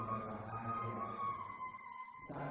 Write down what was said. hari ini bapak ibu yang berbahagia